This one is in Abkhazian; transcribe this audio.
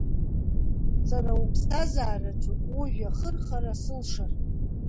Сара уԥсҭазаараҿы ужәҩахырхара сылшарым.